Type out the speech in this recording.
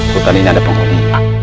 hutan ini ada penghuni